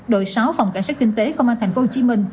đội sáu phòng cảnh sát kinh tế công an tp hcm